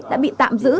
đã bị tạm giữ